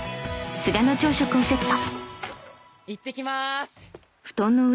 いってきまーす。